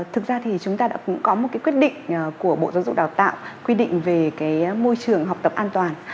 thực ra thì chúng ta đã cũng có một cái quyết định của bộ giáo dục đào tạo quy định về cái môi trường học tập an toàn